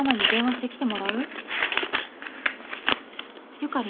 ゆかり！